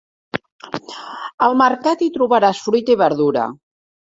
Al mercat hi trobaràs fruita i verdura.